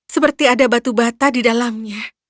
seperti ada batu bata di dalamnya